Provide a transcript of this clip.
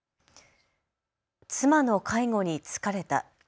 妻の介護に疲れた。